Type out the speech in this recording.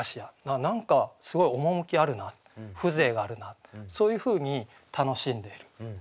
何かすごい趣あるな風情があるなってそういうふうに楽しんでいる。